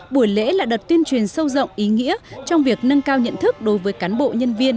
buổi lễ là đợt tuyên truyền sâu rộng ý nghĩa trong việc nâng cao nhận thức đối với cán bộ nhân viên